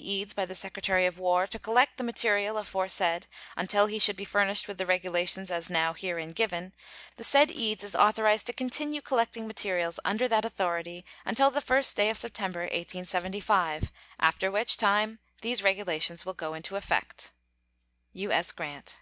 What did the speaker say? Eads by the Secretary of War to collect the material aforesaid until he should be furnished with the regulations as now herein given, the said Eads is authorized to continue collecting materials under that authority until the 1st day of September, 1875, after which time these regulations will go into effect. U.S. GRANT.